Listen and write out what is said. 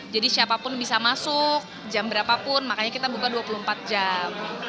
jadi siapapun bisa masuk jam berapapun makanya kita buka dua puluh empat jam